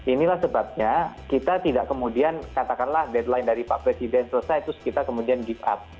inilah sebabnya kita tidak kemudian katakanlah deadline dari pak presiden selesai terus kita kemudian give up